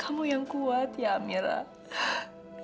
kamu yang kuat ya mira